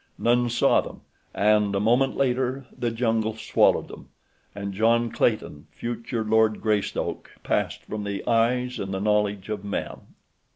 None saw them, and a moment later the jungle swallowed them, and John Clayton, future Lord Greystoke, passed from the eyes and the knowledge of men.